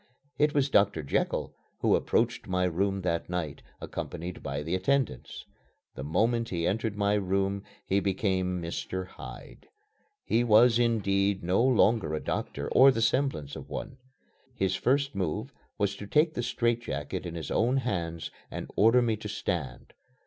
It was "Doctor Jekyll" who approached my room that night, accompanied by the attendants. The moment he entered my room he became "Mr. Hyde." He was, indeed, no longer a doctor, or the semblance of one. His first move was to take the straitjacket in his own hands and order me to stand.